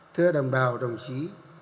thưa đồng bào đồng chí